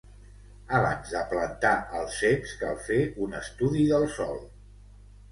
Abans de plantar els ceps cal fer un estudi del sòl.